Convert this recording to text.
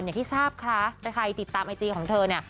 อย่างที่ทราบคะใครติดตามไอจีของเธอเนี่ย